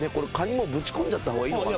もうぶち込んじゃった方がいいのかな。